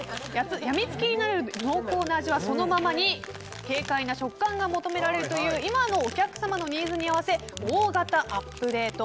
病みつきになる濃厚な味はそのままに軽快な食感が求められるという今のお客様のニーズに合わせ大型アップデート。